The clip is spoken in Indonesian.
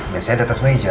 biasanya ada atas meja